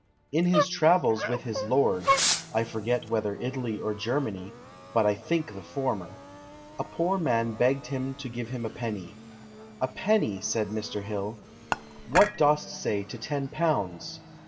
"In his travels with his lord (I forget whether Italy or Germany, but I think the former), a poor man begged him to give him a penny. 'A penny!' said Mr. Hill; 'what dost say to ten pounds?'